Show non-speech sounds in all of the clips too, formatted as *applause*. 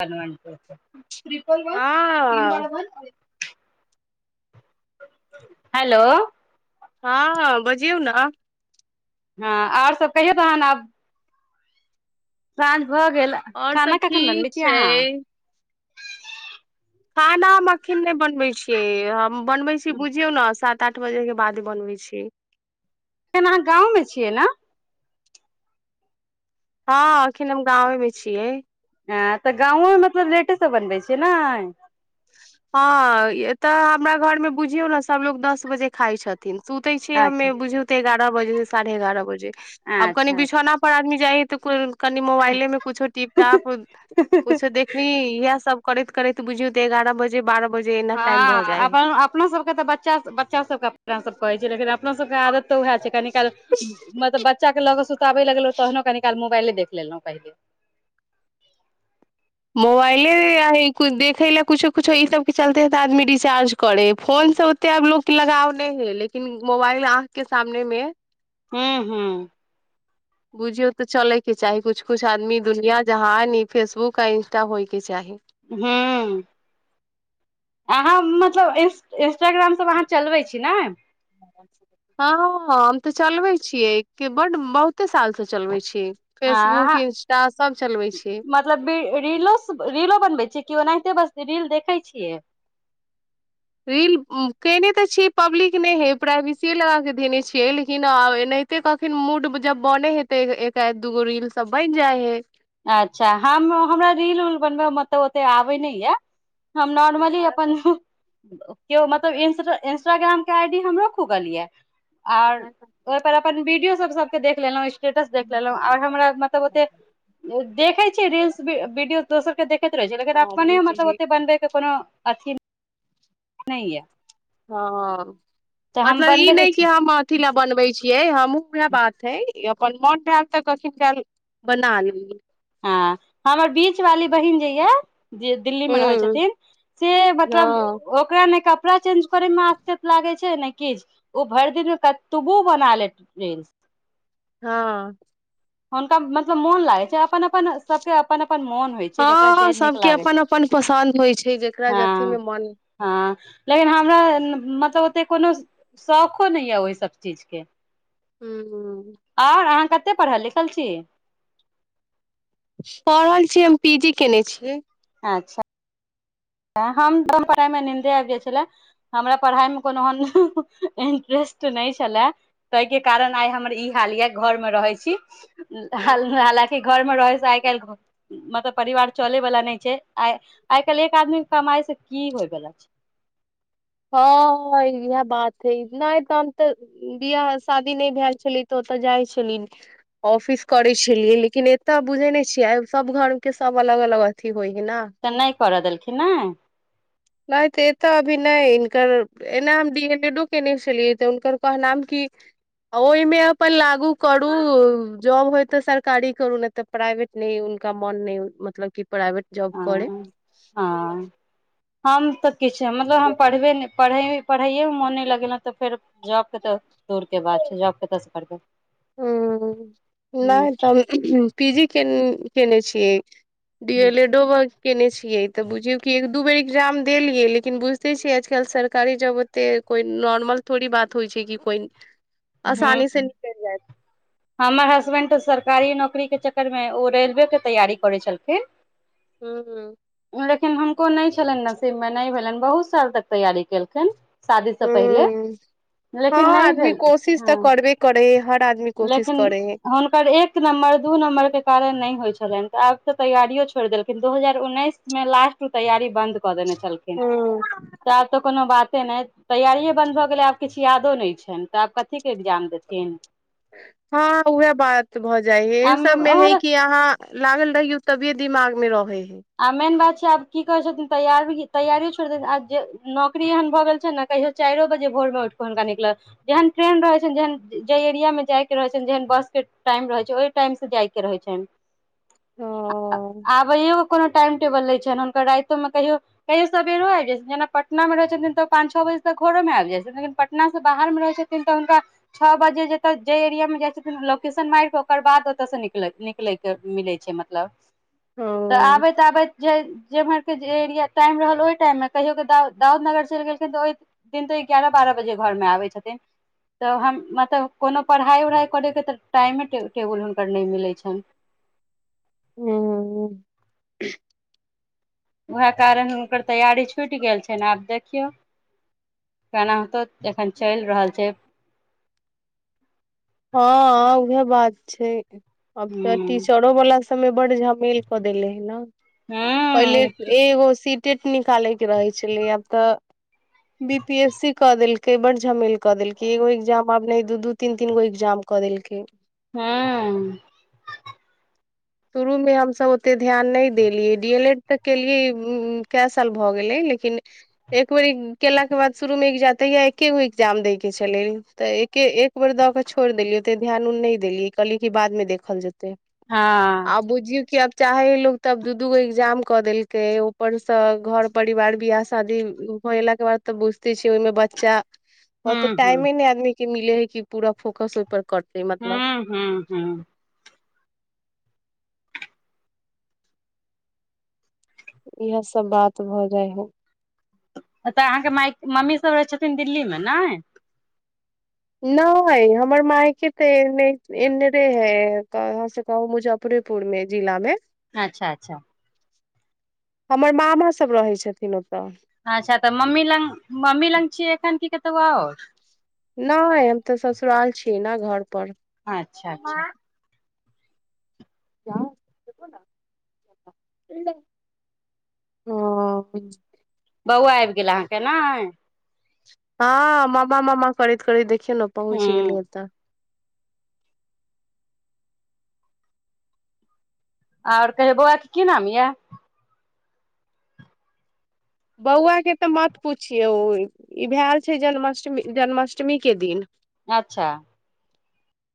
Triple one तीन बाल हँ वन। हेलो। हँ बजियऔ ने। हँ आओर सभ कहियौ तहन आब। स। भऽ गेल और सब खाना कखन ठीक बनै छी अहाँ छै खाना मकखन नहि बनबै छियै बनबै छी बुझियौ ने साथ सात आठ बजे के बाद ही बनबै छी। एखन अहाँ गाँवमे छियै ने। हँ अखन हम गावे मे छियै। ह तऽ गाँोमे मतलब लेटे सब बनबै छिय ने। हँ ए तऽ हमरा घरमे बुझियौ ने सभलोग दस बजे खााय छथिन। सुते छ अच्छा हमे बुझियौ ते एगारह बजे से साढ़े एगारह बजे आब कनि अच्छा अच्छा बिछौना पर आदमी। जाइ हे तु को। कनि मोबाइले में कुछो टिप टॉप कुछो देखनी इएह सब। करैत करैत बुझिय त एगारह बजे। बारह। एना टाइम भऽ हँ जाइ हइ अपन अपनो सभके तऽ बच्चा बच्चा सभके। सब कहै छी लेकिन अपना सबके आदत तऽ उएह छै कनि। मतलब बच्चा के लऽग सुताे लगल तहनो काल मोबाइल। देख लेलहुँ कहिल। मोबाइले देखै लए कुछो कुछो ई सबके चलते ह तऽ आदमी रिचार्ज करै ह फोन से ओते आब लोक लगाव नहि हय लेकिन मोबाइल अहाँके सामने मे। हू हू। बुझियौ तऽ चलेके चाही कु कुछ आदमी दुनिया जहाँ न फेसबुक आ इंस्टा होयके चाही। ह्म अहाँ मतलब इ इंस्टाग्रामसभ अहाँ चलबै छी ने। हँ हम तऽ चलबैत छियै बड्ड बहुते सालसँ चलबैत छी। फेसबुक आ इंस्टा सब चलबै छी मतलब रीलो रीलो बनबै छी। केओ ओनाहिते बस रील देखै छियै। रील कयने तऽ छियै पब्लिक नहि हे प्राइवेसीए लग कऽ देने छियै लेकिन एनाहिते कखन मूड जब बन हे तऽ एकाध दूगो रीलसभ बनि जाइ हे। अच्छा हम हमरा रील उल बनबयमे मतलब ओतेक आबै नहि यए। हम नॉर्मली तऽ अपन। केओ मतलब इं इंस्टाग्रामके आई डी हमरो खुगल यै। आर ओहिपर अपन वीडियो सब सब। देखेना ह। स्टेटस देख लेलहुँ आ हमरा मतलब ओते। देखै छीियै रस वीडियो। तोसरके देख। रह छै लेकिन अपने हमही कहै मतलब ओत बनबै के कोनो अथी नहि यऽ हँ मतलब ई बनबे नहि कि छी हम अथी लए बनबैत छियै हमहूँ उएह बात हइ अपन मन भल तऽ कथििन भेल बनाल ह हमर बीच वाली। ी मे रह हूँ मत। हँ कपड़ा चेंज करे मे आसकत लागे छै ने कि ओ भरि दिन मे कबो बना ले रल्स। हां हुनका मतलब मोन लागै छै अपन अपन सबके अपन अपन मोन होइ छै जकरा जे हँ नीक सभके लागै अपन छै अपन पसन्द होइ छै, जकरा जे हँ अथिमे मन हँ लेकिन हमरा मतलब ओतेक कोनो शौखो नहि यऽ ओहिसभ चीज के। हू कतेक पढ़ल लिखल छी पढ़ल छीिय हम पी जी केने छियै। अच्छा हम पढ़ाइमे निन्दे आबि जाइत छले हमरा पढ़ाइमे कोनोन इंट्रेस्ट नहि छलए, ताहिके कारण आइ हमर ई ख ल घर मे रहै छी, हालकि घर मे रहै से आइ काल्हि मतलब परिवार चलै वला नहि छै, आ आइ काल्हि एक एक आदमी के कमाइ से की होय बला छै हँ इह बात हे, नहि तऽ हम तऽ बिियाह शादी नहि भेल छले तऽ ओतऽ जाइ छली ऑफिस करै छलियै लेकिन एतय बुझे नहि छियै आ सब घर के सब अलग अलग अथी होइ हइ ने च नहि कर दल कि नै नहि तऽ एतऽ अभी नहि हिनकर एना हम डी एन एडो केयने छलियै तऽ हुनकर कहनाम कि, ओहिमे अपन लागू करू जॉब होय तऽ सरकारी करू नहि तऽ प्राइवेट नहि हुनका मन नहि मतलब कि प्रइभेट जब कर हँ हँ हम त किछु मतलब हम पढ़बे नहि पढ़ैएमे मोन नहि लगेलहुँ तऽ फेर जॉबके तऽ दूरके बात छै जॉब कतऽसँ करबौ ह नहि तऽ पी जी के केने छियै डी एल ए डो ब केयने छियै तऽ बुझियौ कि एक दू बेर एग्जाम द लियै लेकिन बुझिते छियै आजकल सरकारी जब ओते कोइ नॉर्मल थोड़ी बात होइ छै कि कोइ ह आसानी से निकल जायत हमर हसबैंड तऽ सरकारी नौकरीके चक्करमे, ओ रेलवेके तैयारी करै छलखिन हँ ह लेकिन हको नहि छलनि नसीब मे नहि भेलनि बहुत साल तक तैयारी केलखिन शादी से ह पहिले हँ लेकिन नहि आदमी भेल कोशिश तऽ हँ करबे करै ह हर आदमी कोशिश लेकिन करै हइ हुनकर एक नम्बर दू नम्बर के कारण न होय छलनि तऽ आब तऽ तैयारियो छोड़िेलखिनू हजार उन्नैस मे लास्ट ओ तैयारी बन्द कर कऽ देने छलखिन हूँ तऽ तऽ कोनो बात ते ने तैयारिये बंन्द भऽ गेलै आब किछु यादो नहि छनि तऽ आब कथीक के एकग्जाम देथिन हँ उएह बात भऽ जाइ है एहि आब सबमे है हमर कि अहाँ लागल रहहि ओ तभिये दिमाग मे रहे आ मेन बात छै आब की करै छथिन तै तैयारियो छोड़िन आ जे नौकरी एहन भऽ गेल छै ने कहियो चारिो बजे भोरमे उठि कऽ हुनका निकल जेहन ट्रेन रहैत छनि जेहन जाहि एरियामे जायके रहैत छनि जेहन बसके टाइम रहैत छै ओहि टाइमसँ जायके रहैत छनि आ हँ आबैौ टेबल लै छनि हुर राो मे कहिो कहिो सेरो आबि जाइत जेना पटना मे रहैत छथिन तऽ पाँच छओ बज तक घरो मे आब जाइतिन अपना से बाहर मे रहै छथिन तऽ हुनका छओ बजे जतय जाहि एरियामे जाइ छथिन लोकेशन मार कऽ ओकर बाद ओतयसँ न निकलैके मिलै छै मतलब तऽ हँ आबैत आबैत जे जेमहर ओ जे एरिया टाइम रहल ओहि टाइममे कहियओ क दाउदनगर चलि गेलखिन तऽ ओहि दिन तऽ एगारह बारह बजे घरमे आबै छथिन, तऽ हम मतलब कोनो पढ़ाइ उढ़ाइ करैके तऽ टाइमे टेबुल हुनकर नहि मिलै छनि ह उएह कारण कर तैयारी छुटि गेल छै ने आब देख देखियौ केना होतौ एखन चलि रहल छै हँ उहे बात छै। अब तोर हूँ टीचरो वाला समय बड् झमेल कऽ देले है ने पहिले हूँ एगो सी टेट निकाले के रहे छले आब तऽ, बी पी एस सी क देलकै बड झमेल क देलकै एगो एग्जाम आब नहि दू दू तीन तीन गो एग्जाम कऽ देलकै हँ शुरूमे हमसभ ओते ध्यान नहि देलियै, डी एल एड तऽ केलियै कए साल भऽ गेलै, लेकिन एक बेर केलाके बाद शुरूमे तहिय एके गो एग्जाम दय के छलै तऽ एके एक बेर दऽ कऽ छोड़ देलियै ओते ध्यान ओ नहि देलियै कहलिय कि बादमे देखल जेतै। हँ आब बुझियौ किब चाहे लोग तब दू दूगो एग्जाम क देलकै ऊपर से घर परिवार विियाह शादी हो एला के बाद तऽ बुझते छ ओहिमे बच्चा ओते हूँ टाइम ही नहि आमी के मिले है कि पूरा फोकस पर करते हू मतलब हू हू इएह सब बात भऽ जाइ हइ तऽ अहाँके मइ मम्मीसभ रहै छथिन दिल्लीमे ने। नहि हमर मायकेी तऽ एने एनेरे हैाँ से कहू मुजफ्फरेपुर मे जिला मे। अच्छा अच्छा हमर मामा सब रहै छथिन ओ अच्छा त मम्मी लग मम्मी लग लियै अखैन कि कत तब और नै हम त ससुराल छियै ने घर पर अच्छा अच्छा। ओ बौआ आबि गेल अहाँके ने हां मामा मामा करैत करैत देखि चलु पहुंच हूँ गेलियै एत और कहियौ बौआ के की नाम ये बौआ के त मत पुछियौ, इ भएल छै जन्म अष्टमी, जन्म अष्टमी के दिन। अच्छा।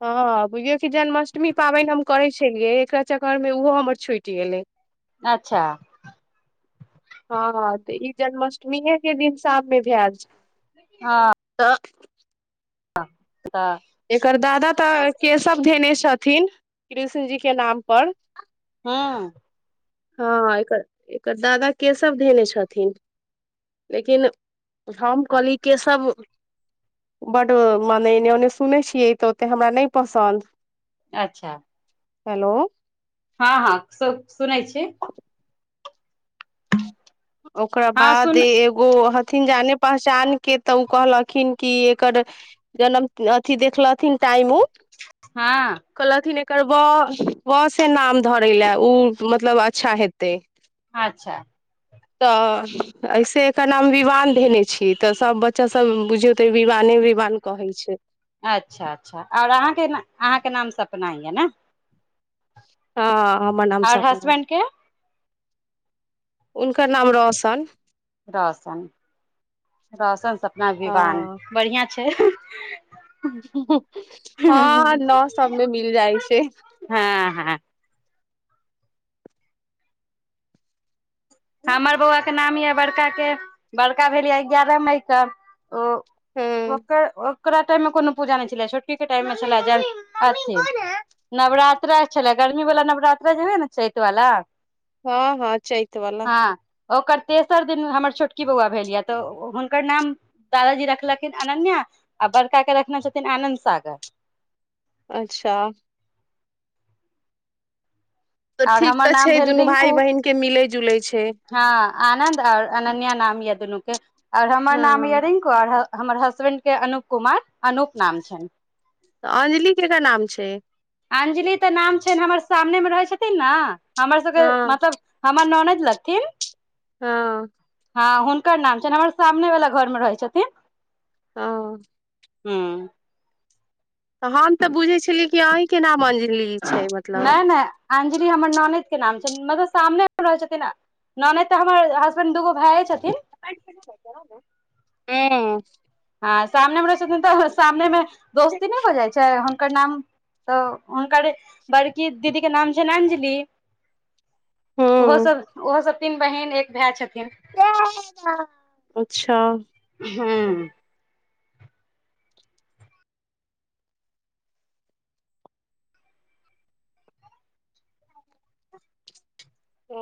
हां, बुझियौ कि जन्म अष्टमी पाबनि हम करै छलियै, एकर चकर मे ओहो हमर छुटि गेलै। अच्छा। हां हां। त इ जन्म अष्टमीए के दिन साम मे भएल छलै हां। आ। हां त। एकर दादा त केशव धेने छथिन, कृष्ण जी के नाम पर हुं। हां, एकर, एकर दादा केशव धेने छथिन, लेकिन हम कहलियै केशव बड माने एने ओने सुनै छियै त ओते हमरा नै पसन्द अच्छा। हेलो। हां हां सु सुनै छियै। ओकर हँ बाद सुन एगो अहां छथिन जाने पहचान के त ओ कहलखिन कि एकर जनम अथि देखलथिन टाइम उ हां। कहलथिन एकर व, व से नाम धरय लए, ओ मतलब अच्छा हेतै। अच्छा। त ऐसे एकर नाम विवान धेने छियै त सब बच्चा सब बुझियौ ते विवाने विवान कहै छै। अच्छा अच्छा और अहां कि ने, अहां के नाम सपना अय ने हां। हमर नाम आओर सपना अय। हसबैंड के उनकर नाम रौशन। रौशन, रौशन सपना विवान, बढ़ियां छै। *inaudible* हां, नओ सबमे मिल जाइ छै। हँ हँ हमर बौआके नाम ये, बड़का के, बड़का भेल ये एगारह मईके। हुं उं ओकरा टाइम मे कोनो पूजा नहि छलै, छोटकी के टाइम मे छले जे अथी नवरात्रा छलै, गर्मी वला नवरात्रा जे हए ने चैत वला हां हां चैत वला ओकर तेसर दिन हमर छोटकी बौआ भेल ये त हुनकर नाम दादाजी रखलखिन अनन्या आ बड़का के रखने छथिन आनन्द सागर। अच्छा तऽ आओर ठीक हमर तऽ नाम छै भेल दुनू रिंकू, भाय बहिन के मिलै जुलै छै हँ आनद आओर अनन्या नाम अद नक और हमर हँ नाम य रंकु आर हमर हसबैंड के अनूप कुमार अनुप नाम छ तऽ अंजलि केकर नाम छै। अं्जलि नाम छै हमर सामने मे रहै छै ना हमर सबके हँ मतलब हमर नन लकीम हँ हँ हुनकर नाम छनि हमर सामने वला घरमे रहै छथिन। ह हँ। त हम तऽ बुझै छली कि अहीं के नाम अंजित ली छै मतलब नहि नहि अंजलि हमर ननद के नाम छ मतलब सामने रहे छथिन ननद त हमर हसबैंड दूगो भाय छथिन हूं आ सामने हमरा *unintelligible* सामने मे दोस्ती नहि हो जाइ छै ु नाम तऽ हुनकर बड़की दीदीके नाम छनि अंजलि। ओहो हूँ सब ओहो सब तीन बहिन एक भाय छथिन अच्छा हँ ओ